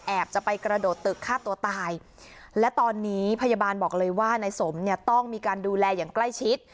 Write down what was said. จะไปกระโดดตึกฆ่าตัวตายและตอนนี้พยาบาลบอกเลยว่านายสมเนี่ยต้องมีการดูแลอย่างใกล้ชิด